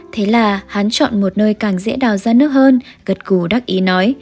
thế là hắn chọn một nơi càng dễ đảo ra nước hơn gật cù đắc ý nói